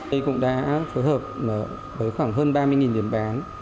đây cũng đã phối hợp với khoảng hơn ba mươi điểm bán